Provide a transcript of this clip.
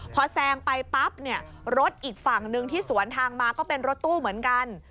พอแซงไปปั๊บเนี่ยรถอีกฝั่งหนึ่งที่สวนทางมาก็เป็นรถตู้เหมือนกัน